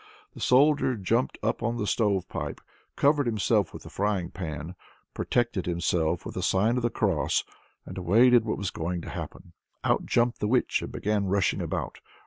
The Soldier jumped up on the stove pipe, covered himself with the frying pan, protected himself with a sign of the cross, and awaited what was going to happen. Out jumped the witch and began rushing about.